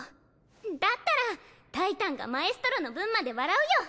だったらタイタンがマエストロの分まで笑うよ！